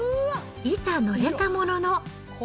いざ乗れたものの。